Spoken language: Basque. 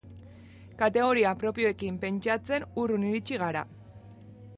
Kategoria propioekin pentsatzen urrun iritsi gara.